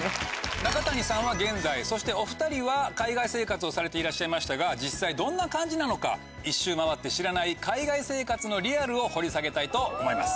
中谷さんは現在そしてお２人は海外生活をされていらっしゃいましたが実際どんな感じなのか１周回って知らない海外生活のリアルを掘り下げたいと思います。